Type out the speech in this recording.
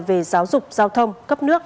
về giáo dục giao thông cấp nước